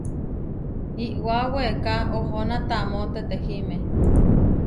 Iʼwá weeká oʼhóna taamó tetehíme.